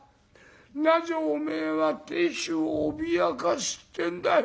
なぜおめえは亭主を脅かすってんだよ」。